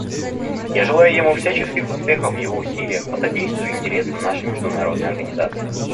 Я желаю ему всяческих успехов в его усилиях по содействию интересам нашей международной организации.